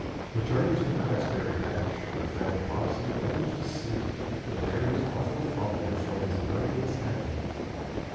Returning to the raspberry patch, I found Bobsey almost asleep, the berries often falling from his nerveless hands.